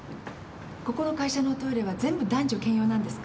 ここの会社のおトイレは全部男女兼用なんですか？